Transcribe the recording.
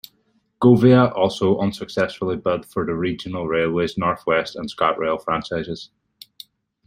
Govia also unsuccessfully bid for the Regional Railways North West and ScotRail franchises.